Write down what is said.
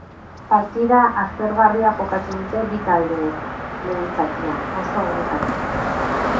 Partida aspergarria jokatu dute bi taldeek lehen zatian, oso orekatua.